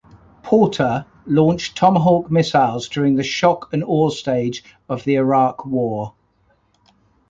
"Porter" launched Tomahawk missiles during the Shock and Awe stage of the Iraq War.